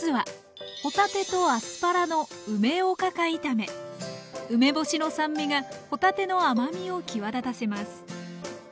まずは梅干しの酸味が帆立ての甘みを際立たせます